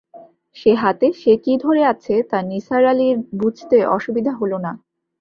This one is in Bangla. সে হাতে সে কী ধরে আছে তা নিসার আলির বুঝতে অসুবিধা হলো না।